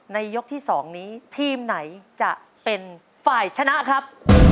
ยกที่๒นี้ทีมไหนจะเป็นฝ่ายชนะครับ